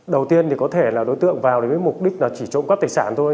đầu tiên có thể đối tượng vào với mục đích chỉ trộm các tài sản thôi